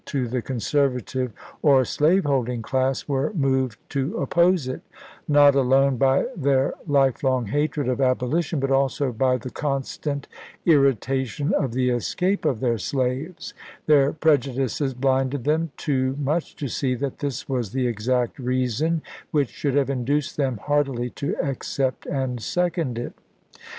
to the conservative or slaveholding class were moved to oppose it, not alone by their lifelong hatred of "abolition," but also by the constant irritation of the escape of their slaves ; their preju dices blinded them too much to see that this was the exact reason which should have induced them heartily to accept and second it.